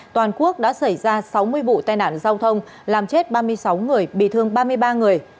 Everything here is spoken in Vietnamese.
toàn quốc đã xảy ra sáu mươi vụ tai nạn giao thông làm chết ba mươi sáu người bị thương ba mươi ba người